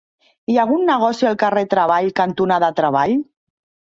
Hi ha algun negoci al carrer Treball cantonada Treball?